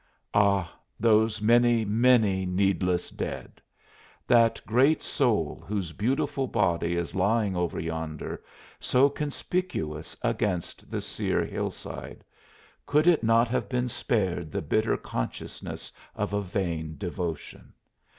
Ah, those many, many needless dead! That great soul whose beautiful body is lying over yonder, so conspicuous against the sere hillside could it not have been spared the bitter consciousness of a vain devotion?